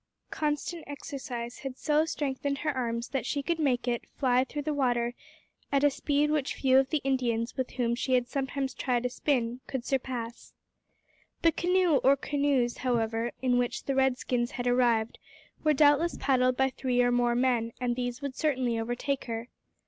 Constant exercise had so strengthened her arms that she could make it fly through the water at a speed at which few of the Indians with whom she had sometimes tried a spin could surpass. The canoe or canoes, however, in which the red skins had arrived were doubtless paddled by three or more men, and these would certainly overtake her.